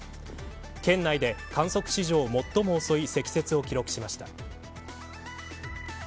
県内で観測史上最も遅い積雪を記録しました。